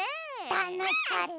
たのしかった。